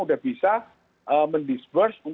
udah bisa mendisperse